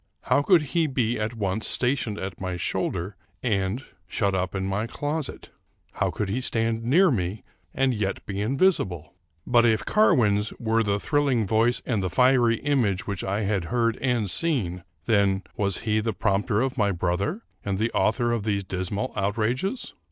How could he be at once sta tioned at my shoulder and shut up in my closet? How could he stand near me and yet be invisible? But if Car win's were the thrilling voice and the fiery image which I had heard and seen, then was he the prompter of my brother, and the author of these dismal outrages.